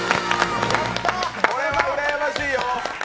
これはうらやましいよ！